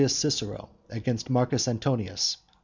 CICERO AGAINST MARCUS ANTONIUS.